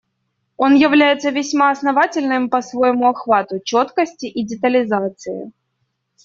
Он является весьма основательным по своему охвату, четкости и детализации.